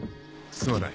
すまない